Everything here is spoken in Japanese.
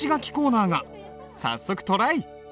早速トライ！